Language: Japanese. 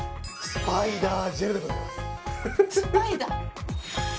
スパイダー？